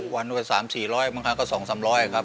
วันวิ่งวิ่งคือ๓๐๐๔๐๐ไม่มีค่าก็๒๐๐๓๐๐บาทครับ